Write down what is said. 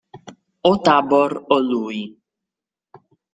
O Tabor o lui!